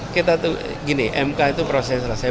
kita tunggu gini mk itu proses selesai